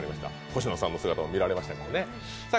星野さんの姿も見られましたからね。